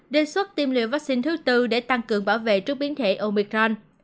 đề xuất tiêm liều vaccine thứ tư để tăng cường bảo vệ trước biến thể omicron